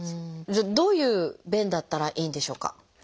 じゃあどういう便だったらいいんでしょうか？